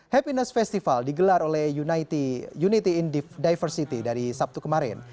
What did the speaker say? happiness festival digelar oleh unity in diversity dari sabtu kemarin